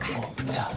じゃあ。